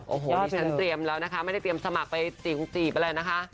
โอ้โหดิฉันเตรียมแล้วนะคะไม่ได้เตรียมสมัครไปจีบจีบอะไรนะคะ